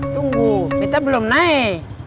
tunggu kita belum naik